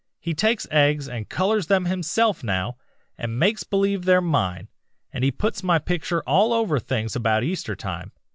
He takes eggs and colors them himself now, and makes believe they're mine, and he puts my picture all over things about Easter time.